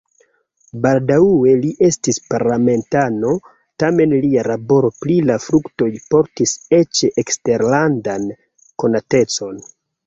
Baldaŭe li estis parlamentano, tamen lia laboro pri la fruktoj portis eĉ eksterlandan konatecon.